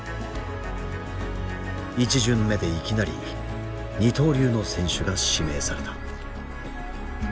１巡目でいきなり二刀流の選手が指名された。